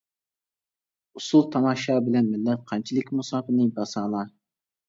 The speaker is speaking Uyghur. ئۇسۇل-تاماشا بىلەن مىللەت قانچىلىك مۇساپىنى باسالا؟ !